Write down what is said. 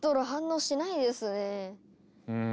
うん。